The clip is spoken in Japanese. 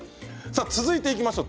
続いていきましょう。